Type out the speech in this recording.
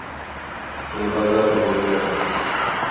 آں بازار ݙے ون٘ڄ کر